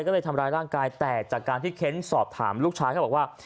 ก็เลยทำร้ายร่างกายแต่จากการที่เค้นสอบถามลูกชายเขาบอกว่า